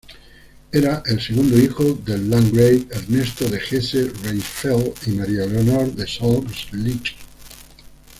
Era el segundo hijo del landgrave Ernesto de Hesse-Rheinfels y María Leonor de Solms-Lich.